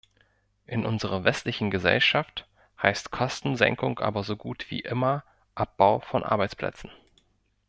In unserer westlichen Gesellschaft heißt Kostensenkung aber so gut wie immer Abbau von Arbeitsplätzen.